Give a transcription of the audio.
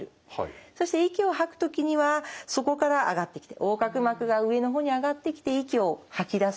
そして息を吐く時にはそこから上がってきて横隔膜が上の方に上がってきて息を吐き出すことができる。